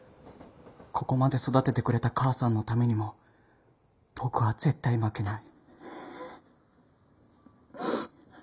「ここまで育ててくれた母さんのためにも僕は絶対負けない」